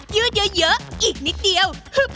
ยืดเยอะอีกนิดเดียว